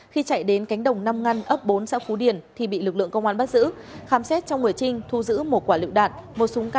khi chạy đến cánh đồng năm ngăn ấp bốn xã phú điền thì bị lực lượng công an bắt giữ